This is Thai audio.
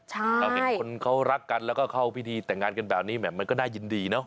เราเห็นคนเขารักกันแล้วก็เข้าพิธีแต่งงานกันแบบนี้แหม่มันก็น่ายินดีเนอะ